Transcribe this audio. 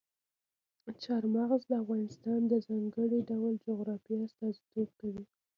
چار مغز د افغانستان د ځانګړي ډول جغرافیه استازیتوب کوي.